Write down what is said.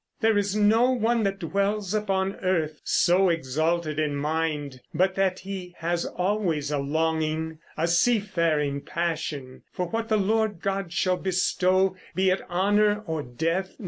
There is no one that dwells upon earth, so exalted in mind, But that he has always a longing, a sea faring passion For what the Lord God shall bestow, be it honor or death.